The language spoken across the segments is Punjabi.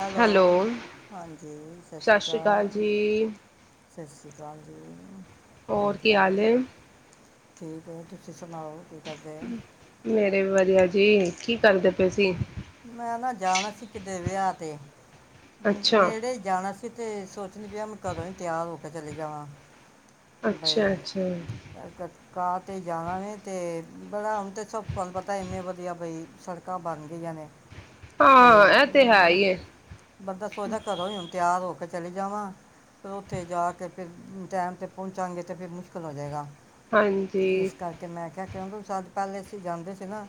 ਹੈਲੋ, ਹਾਂਜੀ ਸਤਿ ਸ਼੍ਰੀ ਅਕਾਲ। ਸਤਿ ਸ਼੍ਰੀ ਅਕਾਲ। ਜੀ ਹੋਰ ਕੀ ਹਾਲ ਏ। ਠੀਕ ਆ ਤੁਸੀਂ ਸੁਣਾਓ ਕੀ ਕਰਦੇ ਮੇਰੇ ਵੀ ਵਧੀਆ। ਜੀ, ਕੀ ਕਰਦੇ ਪਏ ਸੀਂ। ਮੈਂ ਨਾ ਜਾਣਾ ਸੀ। ਕਿਤੇ ਵਿਆਹ ਤੇ ਅੱਛਾ ਨੇੜੇ ਹੀ ਜਾਣਾ ਸੀ। ਕਿਤੇ ਸੋਚਣੀ ਪਿਆ ਮੈਂ ਕਦੋਂ ਹੀ ਤਿਆਰ ਹੋ ਕੇ ਚਲੇ ਜਾਵਾਂ। ਬਈ ਅੱਛਾ -ਅੱਛਾ! ਕ- ਕ- ਕਾਰ ਤੇ ਜਾਣਾ ਵ ਅਤੇ ਬੜਾ ਹੁਣ ਤਾਂ ਸਭ ਪਤਾ ਇੰਨੇ ਵਧੀਆ ਬਈ ਸੜਕਾਂ ਬਣ ਗਈਆਂ ਨੇ। ਤੇ ਹਾਂ ਇਹ ਤੇ ਹੈ ਹੀ ਹੈ ਬੰਦਾ ਸੋਚਦਾ ਘਰੋ ਹੀ ਹੁਣ ਤਿਆਰ ਹੋ ਕੇ, ਚਲੇ, ਜਾਵਾਂ ਫਿਰ ਉੱਥੇ ਜਾ ਕੇ ਫਿਰ ਟਾਈਮ ਤੇ ਪਹੁੰਚਾਂਗੇ ਤਾਂ ਫਿਰ ਮੁਸ਼ਕਿਲ ਹੋ ਜਾਵੇਗਾ। ਹਾਂਜੀ ਇਸ ਕਰਕੇ ਮੈਂ ਕਿਹਾ, ਕਿਉਂਕਿ ਸੱਦ ਪਹਿਲੇ ਅਸੀਂ ਜਾਂਦੇ ਸੀ ਨਾ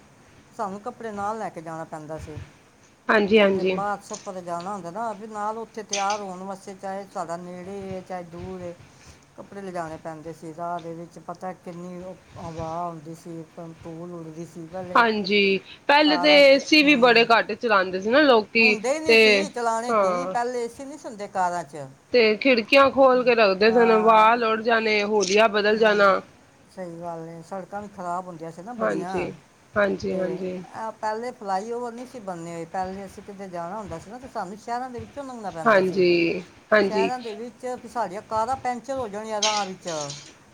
ਸਾਨੂੰ ਕੱਪੜੇ ਨਾਲ ਲੈ ਕੇ ਜਾਣਾ। ਜਾਂਦਾ ਸੀ। ਹਾਂਜੀ ਕਿਤੇ ਹਾਂਜੀ ਬਾਹਰ ਸਫ਼ਰ ਤੇ ਜਾਣਾ ਹੁੰਦਾ। ਨਾਲ ਉੱਥੇ ਤਿਆਰ ਹੋਣ ਵਾਸਤੇ ਚਾਹੇ ਸਾਡਾ ਨੇੜੇ ਚਾਹੇ ਦੂਰ ਏ ਕੱਪੜੇ ਲਿਜਾਉਣੇ ਪੈਂਦੇ ਸੀ ਰਾਹ ਵਿੱਚ ਪਤਾ ਕਿੰਨੀ ਹਵਾ ਆਉਂਦੀ ਸੀ। ਤੂਲ ਉੱਡਦੀ ਸੀ। ਪਹਿਲੇ ਹਾਂਜੀ! ਪਹਿਲੇ ਤੇ ਕਾਰਾਂ 'ਚ ਇਸ ਟੀਵੀ ਵੀ ਬੜੇ ਹੂੰ ਘੱਟ ਚਲਾਉਂਦੇ ਸੀ, ਨਾ ਲੋਕੀ ਹੁੰਦੇ ਹੀ ਨਹੀਂ ਤੇ ਸੀ ਚਲਾਣੇ ਕੀ ਹਾਂ। ਪਹਿਲੇ ਏਸੀ ਨਹੀਂ ਸੁਣਦੇ ਕਾਰਾਂ 'ਚ ਤੇ ਖਿੜਕੀਆਂ ਖੋਲ ਕੇ ਰੱਖਦੇ ਸਨ ਹਾਂ ਵਾਲ ਉੜ ਜਾਣੇ ਹੁਲਿਆ ਵਿਗੜ ਹਾਂਜੀ ਸਹੀ ਗੱਲ ਹੈ। ਸੜਕਾਂ ਵੀ ਖਰਾਬ ਹੁੰਦੀਆਂ ਸੀ। ਨਾ ਬੜੀਆਂ ਹਾਂਜੀ ਹਾਂਜੀ ਤੇ ਹਾਂਜੀ ਪਹਿਲੇ ਫਲਾਈਓਵਰ ਨਹੀਂ ਸੀ ਬੰਨੇ ਹੋਏ ਪਹਿਲੇ ਅਸੀਂ ਕਿਤੇ, ਜਾਣਾ ਹੁੰਦਾ ਸੀ! ਨਾ ਤੇ ਸਾਨੂੰ ਸ਼ਹਿਰਾਂ ਦੇ ਵਿੱਚ ਵਿਚੋਂ ਮੰਗਣਾ ਪੈਂਦਾ ਸੀ। ਹਾਂਜੀ ਹਾਂਜੀ ਸ਼ਹਿਰਾਂ ਦੇ ਵਿੱਚ ਸਾਡੀਆਂ ਕਾਰਾਂ ਪੈਂਚਰ ਹੋ। ਆਦਾਂ ਵਿੱਚ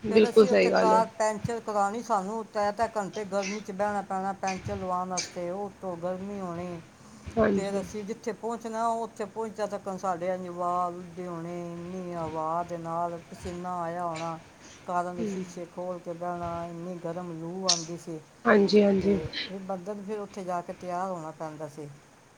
ਫੇਂਰ ਬਿਲਕੁਲ ਅਸੀਂ ਉੱਥੇ ਸਹੀ ਗੱਲ ਹੈ ਕਾਰ ਪੈਂਚਰ ਕਰਵਾਉਣੀ। ਸਾਨੂੰ ਤਾਂ ਤੇ ਘੰਟੇ ਗਰਮੀ ਚ ਬਹਿਣਾ ਪੈਣਾ ਪੈਂਚਰ ਲਵਾਉਣ ਵਾਸਤੇ ਉਤੋਂ ਗਰਮੀ ਹੋਣੀ। ਫੇਰ ਹਾਂਜੀ ਅਸੀਂ ਜਿੱਥੇ ਪਹੁੰਚ। ਨਾ ਉੱਥੇ ਪਹੁੰਚਣ ਤੱਕਣ ਸਾਡੇ ਹੋਣੀ ਇੰਨੀ ਹਵਾ ਦੇ ਨਾਲ ਪਸੀਨਾ ਆਇਆ ਹੋਣਾ। ਕਾਰਨ ਸ਼ੀ ਸ਼ੇਖ ਹੋਰ। ਆ ਇੰਨੀ ਗਰਮ ਲੂ ਆਉਂ ਸੀ। ਤੇ ਹਾਂਜੀ-ਹਾਂਜੀ। ਫਿਰ ਬੰਧਨ ਫਿਰ ਉੱਥੇ ਜਾ ਕੇ ਤਿਆਰ ਹੋਣਾ ਪੈਂਦਾ ਸੀ।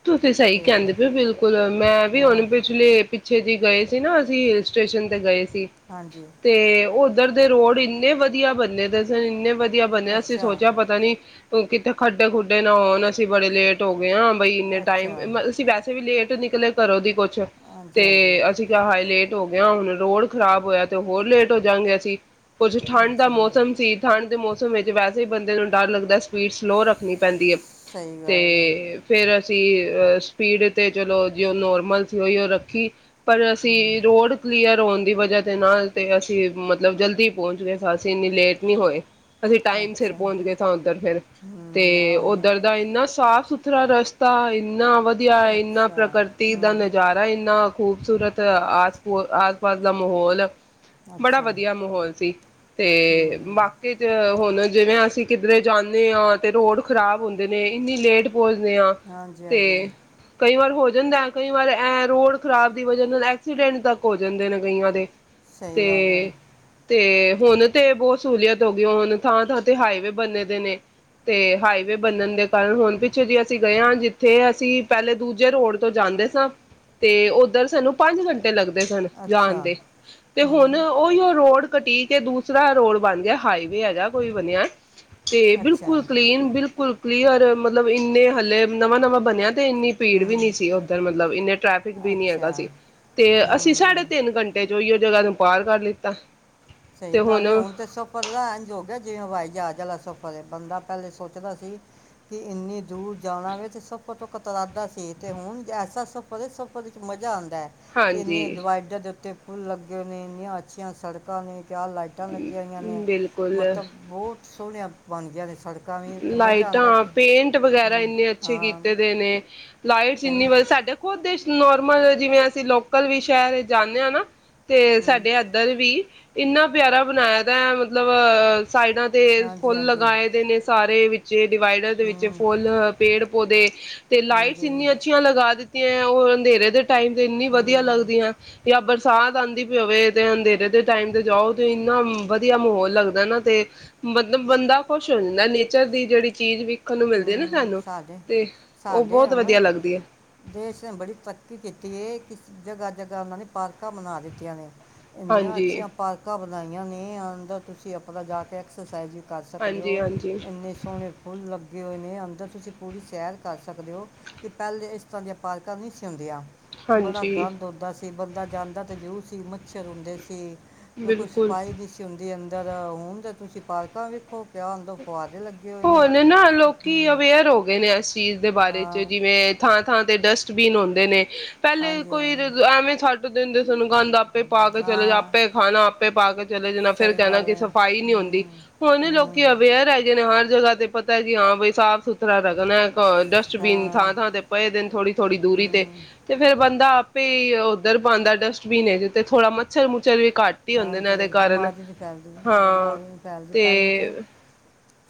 ਤੁਸੀ ਸਹੀ ਤੇ ਕਹਿੰਦੇ ਪੇ ਬਿਲਕੁਲ ਮੈਂ ਵੀ ਉਹ ਪਿਛਲੇ ਪਿੱਛੇ ਜੇ ਗਏ ਸੀ ਨਾ। ਅਸੀ ਹਿਲਸਟੇਸ਼ਨ ਤੇ ਗਏ। ਸੀ, ਹਾਂਜੀ ਤੇ ਉਹ ਇੱਧਰ ਦੇ ਰੋਡ ਇੰਨੇ ਵਧੀਆ ਬਣੇ ਦੇ ਸਨ। ਇੰਨੇ ਵਧੀਆ ਵਧੀਆ ਬਣਿਆ ਸੀ ਅੱਛਾ ਸੋਚਿਆ ਪਤਾ ਨੀ ਉਹ ਕਿੱਥੇ ਖੱਡੇ ਖੁੱਡੇ ਨਾ ਹੋਣ ਅਸੀਂ ਬੜੇ ਲੇਟ ਹੋ ਗਏ ਹਾਂ ਬਈ ਇੰਨੇ ਟਾਈਮ ਅੱਛਾ ਮਤਲਬ ਅਸੀਂ ਵੈਸੇ ਵੀ ਲੇਟ ਨਿਕਲੇ ਕਰੋ ਦੀ ਕੁਛ ਹਾਂਜੀ ਤੇ ਹਾਂਜੀ ਅਸੀਂ ਕਿਹਾ ਹਾਈ ਲੇਟ ਹੋ ਗਿਆ ਹੁਣ ਰੋਡ ਖ਼ਰਾਬ ਹੋਇਆ ਤੇ ਹੋਰ ਲੇਟ ਹੋ ਜਾਂਗੇ ਅਸੀਂ ਕੁੱਝ ਠੰਢ ਦਾ ਅੱਛਾ ਮੌਸਮ ਸੀ ਠੰਢ ਦੇ ਮੌਸਮ ਸਮੇਂ 'ਚ ਵੈਸੇ ਹੀ ਬੰਦੇ ਨੂੰ ਡਰ ਲੱਗਦੈ ਸਪੀਡ ਸਲੋਅ ਰੱਖਣੀ ਪੈਂਦੀ ਹੈ ਸਹੀ ਗੱਲ ਹੈ ਤੇ ਫੇਰ ਅਸੀਂ ਸੀ ਅਹ ਸਪੀਡ ਤੇ ਚਲੋ ਜ ਨੋਰਮਲ ਸੀ ਉਹੀ ਉਹ ਰੱਖੀ ਪਰ ਅਸੀਂ ਹੂੰ ਰੋਡ ਕਲੀਅਰ ਹੋਣ ਦੀ ਵਜਾ ਦੇ ਨਾਲ ਤੇ ਅਸੀਂ, ਮਤਲਬ ਜਲਦੀ ਪਹੁੰਚ ਗਏ। ਅਸੀਂ ਇੰਨੀ ਲੇਟ ਨਹੀਂ ਹੋਏ। ਅਸੀਂ ਟਾਈਮ ਸਿਰ ਅੱਛਾ ਪਹੁੰਚ ਗਏ ਸਾਂ ਉੱਧਰ ਫਿਰ, ਹੂੰ ਨਾ ਤੇ ਹੁਣ ਉਧਰ ਦਾ ਇੰਨਾ ਸਾਫ਼ ਥਰਾ ਰਸਤਾ ਇਨ ਇੰਨਾ ਵਧੀਆ ਹੈ, ਇੰਨਾ ਅੱਛਾ ਪ੍ਰਕਿਰਤੀ ਦਾ ਹੂੰ ਨਜ਼ਾਰਾ ਇੰਨਾ ਖੂਬਸੂਰਤ ਆਸ- ਪਾਸ ਦਾ ਮਾਹੌਲ। ਬੜਾ ਅੱਛਾ ਵਧੀਆ ਮਾਹੌਲ ਸੀ, ਤੇ ਹੂੰ ਬਾਕੀ ਚ ਹੁਣ ਜਿਵੇਂ ਅਸੀਂ ਕਿਧਰੇ ਜਾਂਨੇ ਆਂ, ਅਤੇ ਰੋਡ ਖਰਾਬ ਹੁੰਦੇ ਨੇ ਇੰਨੀ ਲੇਟ ਪਹੁੰਚਦੇ ਹਾਂ ਹਾਂਜੀ ਹਾਂਜੀ ਤੇ ਕਈ ਵਾਰ ਹੋ ਜਾਂਦਾ ਕਈ ਵਾਰ ਐ ਰੋਡ ਖਰਾਬ ਦੀ ਵਜਾ ਨਾਲ, ਐਕਸੀਡੈਂਟ ਤੱਕ ਹੋ ਜਾਂਦੇ ਨੇ ਕਈਆਂ ਦੇ। ਸਹੀ ਤੇ ਗੱਲ ਹੈ। ਤੇ ਹੁਨ ਤੇ ਬਹੁਤ ਸਹੂਲੀਅਤ ਹੋ ਗਈ, ਹੁਨ ਥਾਂ ਥਾਂ ਤੇ ਹਾਈਵੇ ਬੰਨੇ ਦੇ ਨੇ, ਤੇ ਹਾਈਵੇ ਬੰਨਨ ਦੇ ਕਾਰਨ ਹੁਨ ਪਿਛੇ ਜਿਹੇ ਅਸੀਂ ਗਏ ਹਾਂ, ਜਿੱਥੇ ਅਸੀਂ ਪਹਿਲੇ ਦੂਜੇ ਰੋਡ ਤੋਂ ਜਾਂਦੇ ਸਾਂ। ਤੇ ਉੱਧਰ ਸਾਨੂੰ ਪੰਜ ਘੰਟੇ ਤੇ ਲੱਗਦੇ ਸਨ ਜਾਣ ਅੱਛਾ ਦੇ, ਤੇ ਹੁਣ ਹੂੰ ਉਹੀ ਉਹ ਰੋਡ ਕਟੀ ਕੇ ਦੂਸਰਾ ਰੋਡ ਬਣ ਗਿਆ, ਹਾਈਵੇ ਹੈਗਾ ਕੋਈ ਬਣਿਆ। ਤੇ ਅੱਛਾ ਬਿਲਕੁਲ ਕਲੀਨ, ਬਿਲਕੁਲ। ਕਲੀਯਰ ਮਤ ਮਤਲਬ, ਇੰਨੇ ਹਾਲੇ ਨਵਾਂ ਨਵਾਂ ਬਨਿਆ। ਤੇ ਇੰਨੀ ਭੀੜ ਵੀ ਹੂੰ ਨੀ ਸੀ ਉੱਧਰ ਮਤਲਬ ਇੰਨੇ ਟ੍ਰੈਫਿਕ ਵੀ ਨੀ ਹੈਗਾ ਅੱਛਾ ਸੀ ਤੇ ਅਸੀਂ, ਸਾਢੇ ਹੂੰ ਤਿੰਨ ਘੰਟੇ ਚ ਓਹੀਓ ਜਗਾ ਨੂੰ ਪਾਰ ਕਰ ਲਿੱਤਾ। ਸਹੀ ਗੱਲ ਏ, ਹੁਣ ਤੇ ਸਫ਼ਰ ਦਾ ਇੰਝ ਹੋ ਗਿਆ, ਜਿਵੇਂ ਹਵਾਈ ਜਾਜ ਸਫ਼ਰ ਹੈ ਬੰਦਾ ਪਹਿਲੇ ਸੋਚਦਾ ਸੀ ਕਿ, ਇੰਨੀ ਦੂਰ ਜਾਣਾ ਵੇ ਤੇ ਸਫ਼ਰ ਤੋਂ ਕਤਰਾਉਂਦਾ ਸੀ, ਤੇ ਹੁਣ ਐਸਾ ਸਫ਼ਰ ਹੈ, ਸਫ਼ਰ ਚ ਮਜ਼ਾ ਆਉਂਦਾ। ਦਾ ਹਾਂਜੀ ਇੰਨੇ ਡਿਵਾਈਡਰ ਦੇ ਉੱਤੇ ਫੁਲ ਲੱਗੇ ਨੇ, ਇੰਨੀਆਂ ਅੱਛੀਆਂ ਸੜਕਾਂ ਨੇ। ਕਿਆ ਲਾਈਟਾਂ ਲੱਗੀਆਂ ਹੋਈਆਂ ਨੇ, ਬਿਲਕੁਲ ਮਤਲਬ ਬਹੁਤ ਸੋਹਣੀਆਂ ਬਣ ਗਿਆ ਨੇ ਸੜਕਾਂ ਵੀ ਤੇ ਮਜ਼ਾ ਆਉਂਦਾ ਲਾਈਟਾਂ, ਕਿ ਪੇਂਟ ਵਗੈਰਾ, ਹੂੰ, ਇੰਨੇ ਅੱਛੇ ਹਾਂ ਕੀਤੇ ਦੇ ਨੇ। ਲਾਈਟਸੰਨੀ ਸਹੀ ਵਧੀ ਸਾਡੇ ਖੁਦੇ ਨੋਰਮਲ, ਜਿਵੇਂ ਅਸੀਂ ਲੋਕਲ ਵੀ ਸ਼ਹਿਰ ਜਾਂਦੇ ਹਾਂ ਨਾ। ਤੇ ਹੂੰ, ਸਾਡੇ ਐਦਰ ਵੀ। ਇੰਨਾ ਪਿਆਰਾ ਬਨਾਇਦਾ ਐ ਮਤਲਬ ਸਾਈਡਾਂ ਤੇ, ਹਾਂਜੀ ਫੁੱਲ ਹਾਂਜੀ ਲਗਾਏ ਦੇ ਨੇ। ਟਰੇ ਵਿੱਚ। ਜੇ ਡਿਵਾਈਡਰ ਦੇ ਵਿੱਚ, ਹੂੰ, ਫੁੱਲ, ਪੇੜ ਪੋਦੇ ਤੇ ਲਾਈਟਸ ਹਾਂਜੀ ਇੰਨੀਆਂ ਅੱਛੀਆਂ ਲਗਾ ਦਿੱਤੀ ਉਹ ਅੰਧੇਰੇ ਦੇ ਟਾਈਮ ਤੇ ਇੰਨੀ ਵਧੀਆ ਹੂੰ, ਲੱਗਦੀ ਆ ਜਾਂ ਸਾਧ ਆਉਂਦੀ ਪਵੇ ਤੇ ਅੰਧੇਰੇ ਦੇ ਟਾਈਮ ਤੇ ਜਾਓ ਤੇ ਇੰਨਾ ਵਧੀਆ ਮਾਹੌਲ ਲੱਗਦਾ ਨਾ ਤੇ ਮਤਲਬ ਬੰਦਾ ਖੁਸ਼ ਹੋਦਾ ਨਾ ਨੇਚਰ ਦੀ ਜਿਹੜੀ ਚੀਜ਼ ਵੀ ਹਮ ਸਾਡੇ ਉਹ ਸਾਡੇ ਬਹੁਤ ਵਧੀਆ ਉਹਨੂੰ ਲੱਗਦੀ ਹੈ ਦੇਸ਼ ਨੇ ਬੜੀ ਪੱਕੀ ਕੀਤੀ ਏ ਜਗ੍ਹਾ ਜਗ੍ਹਾ ਉਹਨਾਂ ਨੇ ਪਾਰਕਾਂ ਬਣਾ ਦਿੱਤੀਆਂ ਨੇ ਇੰਨੀਆਂ ਹਾਂਜੀ ਅੱਛੀਆਂ ਪਾਰਕਾਂ ਬਣਾਈਆਂ ਨੇ ਆਦਾ ਤੁਸੀਂ ਆਪਣਾ ਜਾ ਕੇ ਐਕਸਰਸਾਈਜ਼ ਕਰ ਸਕਦੇ ਹਾਂਜੀ ਹੋ ਹਾਂਜੀ ਇੰਨੇ ਸੋਹਣੇ ਫੁੱਲ ਲੱਗੇ ਲੱਗੇ ਹੋਏ ਨੇ ਅੰਦਰ ਤੁਸੀਂ ਪੂਰੀ ਸੈਰ ਕਰ ਸਕਦੇ ਹੋ ਕਿ ਪਹਿਲਲੇ ਇਸ ਤਰ੍ਹਾਂ ਦੀਆਂ ਪਾਲਕਾਂ ਨਹੀਂ ਸੀਉਂਦੀਆਂ ਬੜਾ ਹਾਂਜੀ ਗੰਦ ਹੁੰਦਾ ਸੀ ਅਤੇ ਬੰਦਾ ਜਾਂਦਾ ਤਾਂ ਜ਼ਰੂਰ ਸੀ ਮੱਛਰ ਹੁੰਦੇ ਸੀ ਕੋਈ ਬਿਲਕੁਲ ਸਪਾਈ ਨਹੀਂ ਹੁੰਦੀ ਅੰਦਰ ਧਰ ਹੁਣ ਤਾਂ ਤੁਸੀਂ ਪਾਰਕਾਂ ਵੇਖੋ ਕਿਆ ਹੁੰਦਾ ਹੋਨ ਨਾ ਲੋਕ ਕੀ ਅਵੇਅਰ ਹੋ ਗਏ ਨੇ ਅ ਚੀਜ਼ ਦੇ ਬਾਰੇ ਚ ਹਾਂ ਜਿਵੇਂ ਥਾਂ ਤੇ ਡਸਟਬੀਨ ਹੁੰਦੇ ਨੇ ਪਹਿਲੇ ਹਾਂਜੀ ਕੋਈ ਰ ਐਵੇਂ ਦਿੰਦੇ ਸਾਨੂੰ ਗੰਦ ਆਪ ਪਾ ਕੇ ਚਲੇ ਜਾ ਹਾਂ ਆਪ [inaudible] ਚਲੇ ਜਾਣਾ ਫੇਿਰ ਸਹੀ ਕਹਿਣਾ ਗੱਲ ਕਿ ਹੈ ਸਫ਼ਾਈ ਨਹੀਂ ਹੁੰਦੀ ਹੂੰ ਹੁਣ ਹੂੰ ਲੋਕੀ ਅਵੇਅਰ ਹੈਗੇ ਨੇ ਹਰ ਜਗ੍ਹਾ ਤੇ ਪਤਾ ਹੈ ਜੀ ਹਾਂ ਬ ਸਾਫ਼ ਸੁਥਰਾ ਰੱਖਣਾ ਅਹ ਡਸਟਬੀਨ ਹਾਂ ਥਾਂ ਥਾਂ ਤੇ ਪਏ ਦਿ ਨੇ ਥੋੜੀ ਥੋੜ੍ਹੀ ਦੂਰੀ ਤੇ ਹੂੰ ਤੇ ਫੇਿਰ ਬੰਦਾ ਉੱਧਰ ਪਾਉਂਦਾ ਡਸਟਬਿਨ ਹੈ ਜ ਤੇ ਥੋੜਾ ਮੱਛਰ ਮੁੱਛਰ ਵਿੱਚ ਹਾਂਜੀ ਹਾਂਜੀ ਬਿਮਾਰੀ ਨਹੀਂ ਫੈਲਦੀ ਹਾਂ ਬਿਮਾਰੀ ਨਹੀਂ ਫੈਲਦੀ ਪਹਿਲੇ ਤਾਂ ਤੇ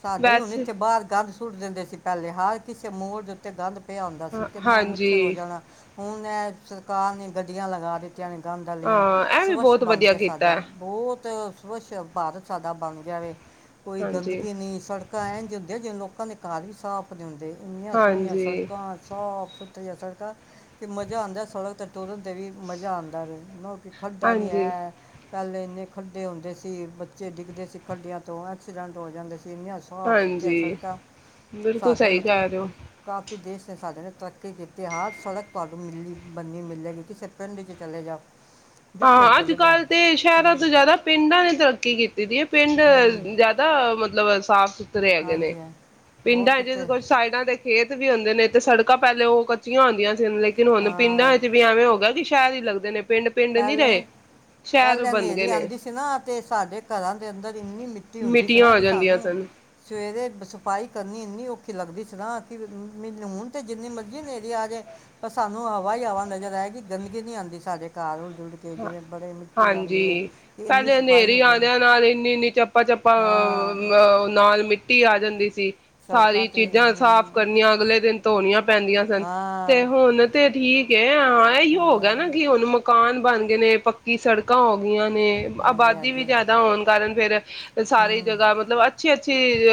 ਸਾਡੇ ਹੁਣ ਵੈਸੇ ਇੱਥੇ ਬਾਹਰ ਗੰਦ ਸੁੱਟ ਦਿੰਦੇ ਸੀ ਪਹਿਲੇ ਹਰ ਕਿਸੇ ਮੋੜ ਦੇ ਉੱਤੇ ਗੰਦ ਆਉਂਦਾ ਹਾਂ ਸੀ ਕਿੰਨਾ ਮੁਛਿਲ ਹੋ ਹਾਂਜੀ ਜਾਣਾ ਹੁਣ ਸਰਕਾਰ ਨੇ ਗੱਡੀਆਂ ਲਗਾ ਦਿੱਤੀ ਗਾਂ ਡਾਲੀਆਂ ਹਾਂ ਇਹ ਵੀ ਸਵੱਛ ਬਹੁਤ ਬਣ ਵਧੀਆ ਜਾਂ ਕੀਤਾ ਸਾਡਾ ਹੈ ਬਹੁਤ ਸਵੱਛ ਭਾਰਤ ਸਾਡਾ ਭਾਰਤ ਬਣ ਗਿਆ ਵੈ। ਕੋਈ ਹਾਂਜੀ ਗੰਦਗੀ ਨਹੀਂ ਸੜਕਾਂ ਐਂਜ ਹੁੰਦੀਆਂ [unintelligible] ਘਰ ਹੀ ਸਾਫ਼ ਨੀ ਹੁੰਦੇ। ਇੰਨੀਆਂ ਸੋਹਣੀਆਂ ਹਾਂਜੀ ਸੜਕਾਂ ਸ ਜਾਂ ਸੜਕਾਂ ਤੇ ਮਜ਼ਾ ਆਂਦਾ ਸੜਕ ਤੇ ਤੁਰਨ ਤੇ ਵੀ ਮਜ਼ਾ ਆਂਦਾ ਵੈ। ਕੋਈ ਖੱਡਾ ਨਹੀਂ ਹਾਂਜੀ ਹੈ। ਪਹਿਲੇ ਇੰਨੇ ਖੱਡੇ ਹੁੰਦੇ ਸੀ ਬੱਚੇ ਡਿੱਗਦੇ ਸੀ ਖੱਡਿਆਂ ਤੋਂ ਐਕਸੀਡੈਂਟ ਹੋ ਜਾਂਦੇ ਸੀ। ਇੰਨੀਆਂ ਸਾਫ਼ ਸੁਥਰੀਆਂ ਹਾਂਜੀ ਸੜਕਾਂ ਬਿਲਕੁਲ ਸਾਡੇ ਸਹੀ ਕਹਿ ਰਹੇ ਮਤਲਬ ਹੋ ਕਾਫ ਵੀ ਦੇਸ਼ ਨੇ ਸਾਡੇ ਨੇ ਤਰੱਕੀ ਕੀਤੀ ਹਰ ਸੜਕ ਤੁਹਾਨੂੰ ਮਿਲੀ ਬਣੇਗੀ ਕਿਸੇ ਪਿੰਡ ਚ ਚਲੇ ਜਾਓ। ਹਾਂ, ਅੱਜ ਕੱਲ੍ਹ ਤੇ। ਸ਼ਹਿਰਾਂ ਤੋਂ ਜ਼ਿਆਦਾ ਪਿੰਡਾਂ ਨੇ ਤਰੱਕੀ ਕੀਤੀ। ਦੀ ਹੈ ਪਿੰਡ ਹੂੰ ਜਿਆਦਾ ਮਤਲਬ ਸਾਫ਼ ਸੁਥ ਤੁਰੇ ਹੈਗੇ ਨੇ ਹਾਂਜੀ ਹਾਂ, ਬਹੁਤ ਪਿੰਡਾਂ ਚ ਸੁਥਰੇ ਕੁਝ ਸਾਈਡਾਂ ਦੇ ਖੇਤ ਵੀ ਹੁੰਦੇ ਨੇ ਤੇ ਸੜਕਾਂ ਪਹਿਲੇ ਉਹ ਕੱਚੀਆਂ ਹੁੰਦੀਆਂ ਸੀ। ਲੇਕਿਨ ਹੁਣ ਪਿੰਡਾਂ ਹਾਂ ਵਿੱਚ ਵੀ ਐਵੇਂ ਹੋਗਾ ਕਿ ਸ਼ਹਿਰ ਹੀ ਲੱਗਦੇ ਨੇ ਪਿੰਡ। ਪਿੰਡ ਨਹੀਂ ਪਹਿਲੇ ਰਹੇ ਸ਼ਹਿਰ ਪਹਿਲੇ ਬਣ ਗਏ ਹਨੇਰੀ ਨੇ ਆਂਦੀ ਸੀ ਨਾ ਤੇ ਸਾਡੇ ਘਰਾਂ ਦੇ ਅੰਦਰ ਇੰਨੀ ਮਿੱਟੀ ਹੁੰਦੀ ਸੀ ਮਿੱਟੀਆਂ ਨਾ ਹੋ ਕਿ ਜਾਂਦੀਆਂ ਸਾਨੂੰ ਸਨ ਸਵੇਰੇ ਸਫ਼ਾਈ ਕਰਨੀ ਇੰਨੀ ਔਖੀ ਲੱਗਦੀ ਸੀ ਨਾ ਕਿ ਮ ਲੂਣ ਤੇ ਜਿੰਨੀ ਮਰਜ਼ੀ ਹਨੇਰੀ ਆਜੇ ਪਰ ਸਾਨੂੰ ਹਵਾ ਹੀ ਹਵਾ ਨਜ਼ਰ ਆਏਗੀ ਗੰਦਗੀ ਨੀ ਆਂਦੀ ਸਾਡੇ ਘਰ ਉੱਡ ਕੇ ਹਾਂ, ਜਿਵੇਂ ਬੜੇ ਮਿੱਟੀ ਆਂਦੀ ਹੈ ਹਾਂਜੀ ਕਿ ਇੰਨੀ ਪਹਿਲੇ ਸਫਾਈ ਹਨੇਰੀ ਹੋ ਗਈ ਹੈ। ਆਦਿਆਂ ਨਾਲ ਇੰਨੀ ਇੰਨੀ ਚੱਪਾ ਚੱਪਾ ਹਾਂ ਅਹ ਅਹ ਨਾਲ ਮਿੱਟੀ ਆ ਜਾਂਦੀ। ਸੀ ਸੜਕਾਂ ਸਾਰੀ ਤੇ ਚੀਜ਼ਾਂ ਸਾਫ਼ ਹੂੰ ਕਰਨੀਆਂ ਅਗਲੇ ਦਿਨ ਤੋਣੀਆਂ ਪੈਂਦੀਆਂ ਸਨ ਤੇ ਹਾਂ ਹੁਣ ਤੇ ਠੀਕ ਹੈ ਹਾਂ, ਇਹੀ ਹੋ ਗਿਆਗਾ ਹਾਂ, ਨਾ ਕਿ ਹੁਣ ਮਕਾਨ ਬਣ ਗਏ ਨੇ ਪੱਕੀ ਸੜਕਾਂ ਹੋ ਗਈਆਂ ਹਾਂਜੀ ਆਬਾਦੀ ਵੀ ਹਾਂਜੀ ਜਿਆਦਾ ਹੋਣ ਕਾਰਨ ਫੇਰ ਸਾਰੀ ਹੂੰ ਜਗ੍ਹਾ ਮਤਲਬ ਅੱਛੀ ਅੱਛ ਅੱਛੀ,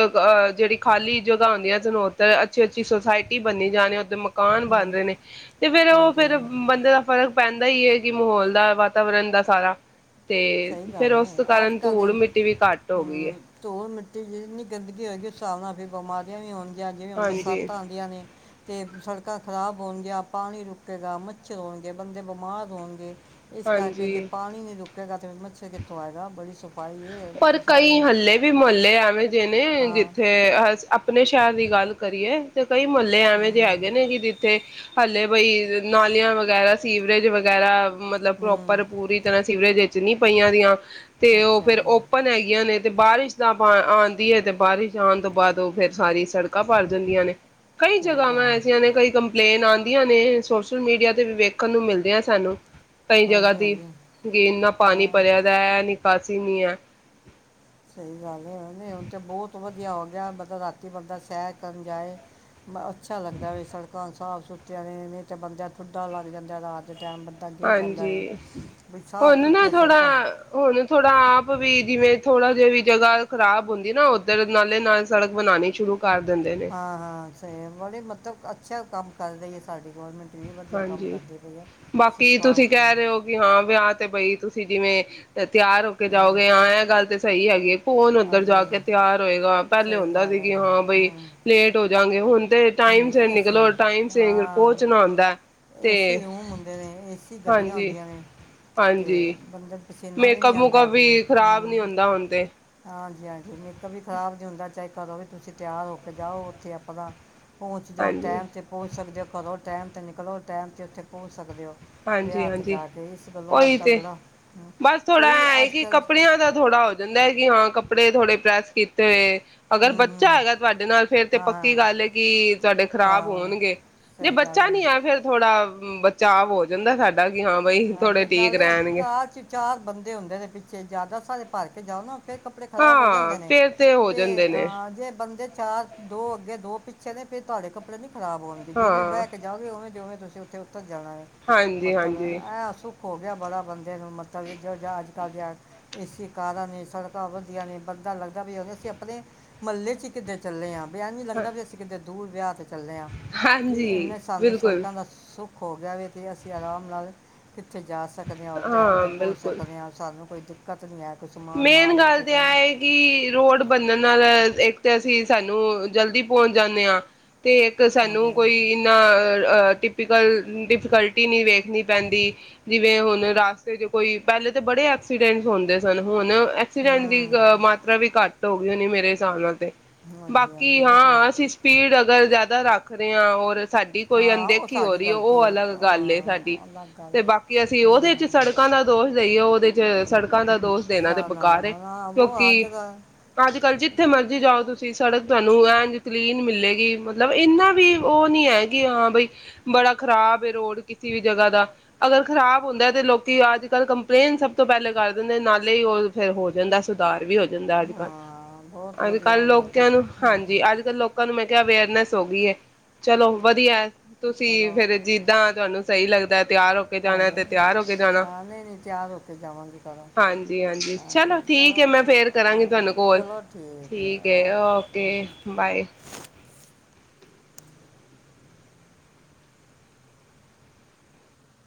ਜਿਹੜੀ ਖਾਲੀ ਜਗ੍ਹਾ ਹੁੰਦੀਆਂ ਤੁਹਾਨੂੰ ਉੱਧਰ ਅੱਛੀ ਅੱਛੀ ਸੁਸਾਇਟੀ ਬਣੀ ਜਾਣੀ ਉੱਧਰ ਮਕਾਨ ਬਣ ਹੂੰ ਰਹੇ ਨੇ ਤੇ ਫੇਰ ਉਹ ਹਾਂਜੀ ਫੇਰ ਬੰਦੇ ਦਾ ਫਰਕ ਪੈਂਦਾ ਹੀ ਹੈ ਕੀ ਮਾਹੌਲ ਦਾ, ਵਾਤਾਵਰਨ ਦਾ ਸਾਰਾ ਤੇ ਸਹੀ ਗੱਲ ਫਿਰ ਉਸ ਹੈ ਅੱਜ ਕਾਰਨ ਕੱਲ ਧੂੜ, ਦੇ ਮਿੱਟੀ ਵੀ ਘੱਟ ਹੋ ਗਈ ਹੈ। ਅਤੇ ਜਿੰਨੀ ਗੰਦਗੀ ਹੋਏਗੀ, ਉਸ ਹਿਸਾਬ ਨਾਲ ਫਿਰ ਬਿਮਾਰੀਆਂ ਵੀ ਹੋਣਗੀ ਜਾਂ ਜਿਵੇਂ ਹੁਣ ਬਰਸਾਤਾਂ ਹਾਂਜੀ-ਹਾਂਜੀ ਆਉਂਦੀਆਂ ਨੇ ਅਤੇ ਸੜਕਾਂ ਖ਼ਰਾਬ ਹੋਣਗੀਆਂ, ਪਾਣੀ ਰੁਕੇਗਾ, ਮੱਛਰ ਹੋਣਗੇ, ਬੰਦੇ ਬਿਮਾਰ ਹੋਣਗੇ। ਇਸ ਕਰਕੇ ਜੇ ਪਾਣੀ ਨੀ ਰੁਕ ਮੱਛਰ ਕਿੱਥੋ ਆਏਗਾ ਬੜੀ ਸੁ ਪਰ ਕਈ ਹੱਲੇ ਵੀ ਮੁਹੱਲੇ ਐਵੇਂ ਨੇ ਹਾਂ ਜਿੱਥੇ ਅ ਆਪਣੇ ਸ਼ਹਿਰ ਦੀ ਗੱਲ ਕਰੀਏ ਤੇ ਕਈ ਮਹੱਲੇ ਐਵੇਂ ਜ ਹੂੰ ਹੈਗੇ ਨੇ ਜਿੱਥੇ ਹਲੇੇ ਬਈ ਨਾਲੀਆਂ ਵਗੈਰਾ, ਸੀਵਰੇਜ ਵਗੈਰਾ ਮਤਲਬ ਹੂੰ ਪ੍ਰੋਪਰ ਪੂਰੀ ਤਰ੍ਹਾਂ ਸੀਵਰੇਜ ਜਿੰਨੀ ਪਈਆਂ ਦੀਆਂ ਤੇ ਉਹ ਅੱਛਾ ਫਿਰ ਓਪਨ ਹੈਗੀਆਂ ਨੇ। ਤੇ ਬਾਰਿਸ਼ ਤਾਂ ਆਉਂਦੀ ਹੈ ਤੇ ਬਾਰਿਸ਼ ਆਉਣ ਤੋਂ ਬਾਅਦ ਉਹ ਫਿਰ ਸਾਰੀ ਸੜਕਾਂ ਭਰ ਜਾਂਦੀਆਂ ਨੇ। ਕਈ ਸਹੀ ਜਗ੍ਹਾਵਾਂ ਗੱਲ ਐਸੀਆਂ ਨੇ ਕਈ ਕੰਪਲੇਨ ਆਂ ਵ ਨੇ ਸੋਸ਼ਲ ਮੀਡੀਆ ਤੇ ਵੀ ਵੇਖਣ ਨੂੰ ਮਿਲਦੇ ਆ ਸਾਨੂੰ ਕਈ ਜਗ੍ਹਾ ਹਾਂਜੀ ਤੇ ਹਾਂਜੀ ਕਿ ਇੰਨਾ ਪਾਣੀ ਹਾਂ ਭਰਿਆ ਦਾ ਹੈ ਨੀ ਸੀਨੀਆਂ ਸਹੀ ਗੱਲ ਹੈ ਨਹੀਂ ਹੁਣ ਤੇ ਬਹੁਤ ਵਧੀਆ ਹੋ ਗਿਆ ਮਤਲਬ ਰਾਤੀ ਬੰਦਾ ਸਹਿਰ ਕਰਨ ਜਾਏ, ਅੱਛਾ ਲੱਗਦਾ ਸੜਕਾਂ ਸਾਫ ਸੁਥਰੀਆਂ ਨੇ ਤਾਂ ਬੰਦਾ ਠੁੱਡਾ ਲੱਗ ਜਾਂਦਾ ਰਾਤ ਟਾਈਮ ਬੰਦਾ ਗਿਰ ਜਾਂਦਾ ਹਾਂਜੀ ਵੇ ਵੀ ਸਾਫ ਹੁਣ ਨਾ ਸੁਥਰੀਆਂ ਥੋੜਾ, ਸੜਕਾਂ ਹੁਣ ਥੋੜਾ ਆਪ ਵੀ ਜਿਵੇਂ ਥੋੜ੍ਹਾ ਜਾ ਵੀ ਜਗ੍ਹਾ ਖ਼ਰਾਬ ਹੁੰਦੀ ਨਾ ਉੱਧਰ ਨਾਲੇ ਨਾਲ ਸੜਕ ਬਣਾਉਣੀ ਸ਼ੁਰੂ ਕਰ ਦਿੰਦੇ ਨੇ ਹਾਂ ਹਾਂ ਸ [unintelligible] ਅੱਛਾ ਕੰਮ ਕਰ ਰਹੀ ਐ ਸਾਡੀ ਗਵਰਨਮੈਂਟ ਵੀ ਵਧੀਆ ਕੰਮ ਹਾਂਜੀ ਕਰਦੀ ਪਈ ਹੈ ਸ- ਬਾਕੀ ਤੁਸੀਂ ਸਾਫ ਕਹਿ ਰਹੇ ਹੋ ਕਿ ਹਾਂ ਵਿਆਹ ਤੇ ਬਈ ਤੁਸੀਂ ਜਿਵੇਂ ਤਿਆਰ ਹੋ ਕੇ ਜਾਓਗੇ ਹਾਂ ਐ ਗੱਲ ਤੇ ਸਹੀ ਹੈ ਕੌਣ ਉੱਧਰ ਜਾ ਹਾਂਜੀ ਕੇ ਤਿਆਰ ਹੋਏਗਾ ਪਹਿਲੇ ਸਹੀ ਹੁੰਦਾ ਸੀ ਗੱਲ ਹੈ ਕਿ ਹਾਂ ਬਈ ਹੂੰ ਲੇਟ ਹੋ ਜਾਂਗੇ ਹੁਣ ਤੇ ਟਾਈਮ ਹੂੰ ਸਿਰ ਇਸੇ ਨਿਕਲੋ ਟਾਈਮ ਸਿਰ ਪਹੁ ਹਾਂ ਏਸੀ ਰੂਮ ਹੁੰਦੇ ਨੇ ਏਸੀ ਗੱਡੀਆਂ ਹਾਂਜੀ ਹੁੰਦੀਆਂ ਨੇ ਤੇ ਬੰਦੇ ਪਸੀਨਾ ਵੀ ਨਹੀਂ ਆਉਂਦਾ ਮੇਕੱਪ-ਮੁੂਕਅਪ ਵੀ ਖ਼ਰਾਬ ਨੀ ਹੁੰਦਾ ਹੁਣ ਤੇ। ਹਾਂਜੀ-ਹਾਂਜੀ ਮੇਕਅਪ ਵੀ ਖ਼ਰਾਬ ਨੀ ਹੁੰਦਾ ਚਾਹੇ ਕਦੋਂ ਵੀ ਤੁਸੀਂ ਤਿਆਰ ਹੋ ਕੇ ਜਾਓ ਉੱਥੇ ਆਪਣਾ ਪਹੁੰਚ ਜਾਓ ਹਾਂਜੀ ਟਾਈਮ ਤੇ ਪਹੁੰਚ ਸਕਦੇ ਹੋ ਕਦੋਂ ਟਾਈਮ ਤੇ ਨਿਕਲੋ ਟਾਈਮ ਤੇ ਉੱਥੇ ਪਹੁੰਚ ਸਕਦੇ ਓ। ਹਾਂਜੀ-ਹਾਂਜੀ ਓਹੀ ਕੱਲ੍ਹ ਤੇ ਬੜਾ ਹੂੰ, ਬਸ ਥੋੜਾ ਕੋਈ ਐ ਏ ਅੱਜ ਕਿ ਕੱਲ੍ਹ ਕੱਪੜਿਆਂ ਦਾ ਥੋੜਾ ਹੋ ਜਾਂਦਾ ਕਿ ਹਾਂ ਕੱ ਕੱਪੜੇ ਥੋੜ੍ਹੇ ਪ੍ਰੈੱਸ ਕੀਤੇ ਹੋਏ ਅਗਰ ਹੂੰ ਬੱਚਾ ਹੂੰ ਹੈਗਾ ਤੁਹਾਡੇ ਨਾਲ ਫੇਰ ਤੇ ਹਾਂ ਹਾਂ ਪੱਕੀ ਗੱਲ ਐ ਕੀ ਤੁਹਾਡੇ ਖ਼ਰਾਬ ਖਰਾਬ ਹੋਣਗੇ ਜੇ ਸਹੀ ਗੱਲ ਬੱਚਾ ਨੀ ਹੈ ਫਿਰ ਥੋੜ੍ਹਾ ਬਚਾਵ ਬਹੁ ਹੋ [unintelligible] ਜਾਂਦਾ ਸਾ ਹਾਂਜੀ, ਨਾਲੇ ਘਰ ਚ ਚਾਰ ਬੰਦੇ ਹੁੰਦੇ ਨੇ ਪਿੱਛੇ ਜਿਆਦਾ ਦੇ ਭਰ ਕੇ ਜਾਓ ਨਾ ਫਿਰ ਕੱਪੜੇ ਖ਼ਰਾਬ ਹੋ ਹਾਂ ਜਾਂਦੇ ਨੇ ਫੇਰ ਤੇ ਹੋ ਜੇ ਜਾਂਦੇ ਨੇ। ਜੇ ਬੰਦੇ ਚਾਰ ਦੋ ਅੱਗੇ ਦੋ ਪਿੱਛੇ ਨੇ ਫਿਰ ਤੁਹਾਡੇ ਕੱਪੜੇ ਨੀ ਖਰਾਬ ਹੋਣਗੇ, ਜਿਵੇਂ ਹਾਂ ਬਹਿ ਕੇ ਜਾਓਗੇ ਓਵੇਂ ਦੇ ਓਵੇਂ ਤੁਸੀਂ ਉਥੇ ਹਾਂਜੀ-ਹਾਂਜੀ, ਸੁੱਖ ਹੋ ਗਿਆ ਬੜਾ ਬੰਦੇ ਨੂੰ ਮਤਲਬ ਜੋ ਅੱਜ- ਕੱਲ੍ਹ ਦੀਆਂ ਏ ਸੀ ਕਾਰਾਂ ਨੇ, ਸੜਕਾਂ ਵਧੀਆ ਨੇ ਬੰਦਾ ਲੱਗਦਾ ਵੀ ਅਸੀਂ ਆਪਣੇ ਮਹੱਲੇ ਚ ਹੀ ਕਿਧਰ ਚੱਲੇ ਆ। ਵੀ ਐ ਨੀ ਹਾਂਜੀ ਲੱਗਦਾ ਵੀ ਅਸੀ ਕਿਤੇ ਦੂਰ ਵਿਆਹ ਤੇ ਚੱਲਿਆ ਕਿ ਹਾਂਜੀ ਇਹਨੇ ਸਾਨੂੰ ਬਿਲਕੁਲ ਸੜਕਾਂ ਦਾ ਸੁੱ ਖੋ ਗਿਆ ਵੇ ਤੇ ਅਸੀਂ ਆਰਾਮ ਨਾਲ ਕਿੱਥੇ ਜਾ ਸਕਦੇ ਆ ਔਰ ਟਾਈਮ ਤੇ ਹਾਂ ਪਹੁੰਚ ਬਿਲਕੁਲ ਸਕਦੇ ਆ ਸਾਨੂੰ ਕੋਈ ਦਿੱਕਤ ਨਹੀਂ ਐ ਮੇਨ ਗੱਲ ਤਾਂ ਆ ਏ ਕਿ ਰੋਡ ਬਨਣ ਨਾਲ ਇੱਕ ਤੇ ਅਸੀਂ ਸਾਨੂੰ ਜਲਦੀ ਪਹੁੰਚ ਜਾਂਦੇ ਹਾਂ। ਤੇ ਇੱਕ ਹਾਂਜੀ ਸਾਨੂੰ ਕੋਈ ਇੰਨਾ ਅ ਟਿਪੀਕਲ ਡਿਫੀਕਲਟੀ ਨਹੀਂ ਵੇਖਣੀ ਪੈਂਦੀ, ਜਿਵੇਂ ਹੁਣ ਰਸਤੇ ਚ ਕੋਈ ਪਹਿਲੇ ਤਾਂ ਬੜੇ ਐਕਸੀਡੈਂਟ ਹੁੰਦੇ ਫਿਰ ਹੁਣ ਐਕਸੀਡੈਂਟ ਦੀ ਅ ਮਾਤਰਾ ਵੀ ਘੱਟ ਹੋ ਗਈ ਹੋ ਨੀ ਮੇਰੇ ਹਿਸਾਬ ਨਾਲ ਤੇ ਹੂੰ ਹਾਂਜੀ ਬਾਕੀ ਹਾਂਜੀ ਵਧੀਆ ਹਾਂ, ਅਸੀਂ ਸਪੀਡ ਅਗਰ ਜ਼ਿਆਦਾ ਦ ਰੱਖਦੇ ਆਂ ਔਰ ਸਾਡੀ ਕੋਈ ਹਾਂ ਉਹ ਅਣਦੇਖੀ ਹੋ ਸਾਡੀ ਰਹੀ ਹੈ, ਗਲਤੀ ਉਹ ਅਲੱਗ ਗੱਲ ਏ ਸਾਡੀ ਹਾਂ ਅਲੱਗ ਗੱਲ ਤੇ ਹੈ ਬਾਕੀ ਅਸੀਂ ਉਹਦੇ ਚ ਹਾਂ ਸੜਕਾਂ ਦਾ ਦੋਸ਼ ਦੇਈਏ ਉਹਦੇ ਚ ਸੜਕਾਂ ਦਾ ਦੋਸ਼ ਦੇਣਾ ਤੇ ਸਾ- ਨਾ ਨਾ ਬੇਕਾਰ ਐ ਨਾ ਨਾ ਉਹ ਹਰ ਕਿਉਂਕਿ ਜਗ੍ਹਾ ਅੱਜ- ਕੱਲ ਜਿੱਥੇ ਮਰਜ਼ੀ ਜਾਓ ਤੁਸੀਂ ਤੁਸੀਂ ਸੜਕ ਤੁਹਾਨੂੰ ਐਂ ਕਲੀਨ ਮਿਲੇਗੀ ਮਤਲਬ ਇੰਨਾ ਵੀ ਉਹ ਨੀ ਹੈ ਕਿ ਹਾਂ ਬਈ ਬੜਾ ਖ਼ਰਾਬ ਹੈ, ਰੋਡ ਕਿਸੇ ਵੀ ਜਗਾ ਦਾ ਅਗਰ ਖਰਾਬ ਹੁੰਦਾ ਤੇ ਲੋਕੀ ਅੱਜ ਕੱਲ ਕੰਪਲੇਨ ਸਭ ਤੋਂ ਪਹਿਲੇ ਕਰਦੇ ਦੇ ਨਾਲੇ ਹੀ ਉਹ ਫੇਰ ਹੋ ਜਾਂਦਾ ਸੁਧਾਰ ਵੀ ਹੋ ਜਾਂ ਅੱਜ ਕੱਲ ਹਾਂ ਬਹੁਤ ਅੱਜ ਕੱਲ੍ਹ ਵਧੀਆ ਮਤਲਬ ਲੋਕਾਂ ਨੂੰ ਹਾਂਜੀ ਅੱਜ ਕੱਲ੍ਹ ਲੋਕਾਂ ਨੂੰ ਮੈਂ ਕਿਹਾ ਅਵੇਅਰਨੈਸ ਹੋ ਗਈ ਹੈ ਚਲੋ ਵਧੀਆ ਤੁਸੀਂ ਫੇਰ ਜਿੱਦਾਂ ਤੁਹਾਨੂੰ ਸਹੀ ਲੱਗਦਾ ਤਿਆਰ ਹੋ ਕੇ ਜਾਣਾ ਤੇ ਆਜਾ ਤਿਆਰ ਹੋ ਕੇ ਜਾਣਾ ਚਾਹ ਨਹੀਂ ਨਹੀਂ ਚਾਹ ਰੁਕ ਕੇ ਜਾਵਾਂਗੇ। ਕਦੋਂ ਹਾਂਜੀ ਹਾਂਜੀ, ਚਲੋ ਠੀਕ ਹੈ ਮੈਂ ਫੇਰ ਕਰਾਂਗੀ ਤੁਹਾਨੂੰ ਕੋਲ ਠੀਕ ਹੈ ਓਕੇ ਬਾਏ।